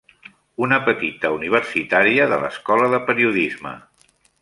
Una petita universitària de l'Escola de Periodisme!